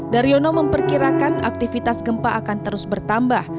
daryono memperkirakan aktivitas gempa akan terus bertambah